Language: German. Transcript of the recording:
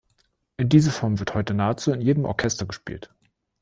Diese Form wird heute nahezu in jedem Orchester gespielt.